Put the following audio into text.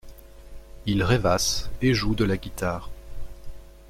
Il rêvasse et joue de la guitare.